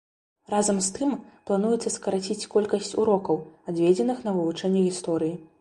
Разам з тым, плануецца скараціць колькасць урокаў, адведзеных на вывучэнне гісторыі.